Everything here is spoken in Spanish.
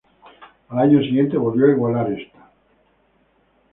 Al año siguiente volvió a igualar esta.